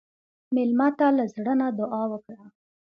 مېلمه ته له زړه نه دعا وکړه.